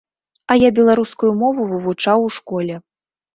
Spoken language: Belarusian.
А я беларускую мову вывучаў у школе.